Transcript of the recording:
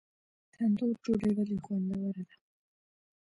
تندور ډوډۍ ولې خوندوره ده؟